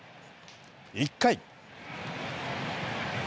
１回。